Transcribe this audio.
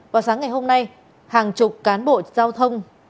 vào sáng ngày hôm nay hàng chục cán bộ giao thông